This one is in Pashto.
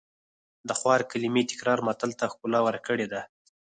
د خوار کلمې تکرار متل ته ښکلا ورکړې ده